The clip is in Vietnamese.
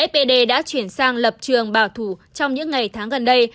fpd đã chuyển sang lập trường bảo thủ trong những ngày tháng gần đây